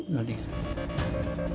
dua sampai tiga kali